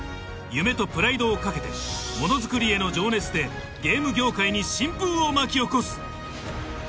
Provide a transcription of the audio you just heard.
夢とプライドをかけてものづくりへの情熱でゲーム業界に新風を巻き起こす！